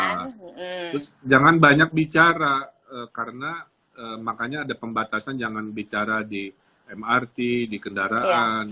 terus jangan banyak bicara karena makanya ada pembatasan jangan bicara di mrt di kendaraan